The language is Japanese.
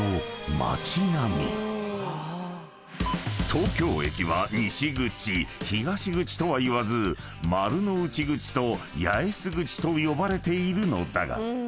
［東京駅は西口東口とは言わず丸の内口と八重洲口と呼ばれているのだが］